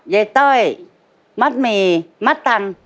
เย้ต้อยมัดหมี่มัดตัง